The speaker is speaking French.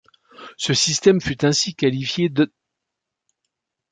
Ce système fut ainsi qualifié d'.